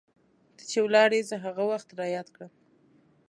ته چې ولاړي زه هغه وخت رایاد کړم